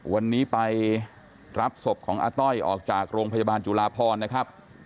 วันนี้ไปรับศพของอาต้อยออกจากโรงพยาบาลจุลาพรนะครับ